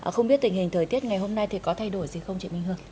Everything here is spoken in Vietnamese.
không biết tình hình thời tiết ngày hôm nay thì có thay đổi gì không chị minh hương